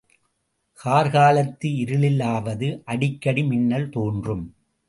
கார்காலத்து இருளிலாவது அடிக்கடி மின்னல் தோன்றும்.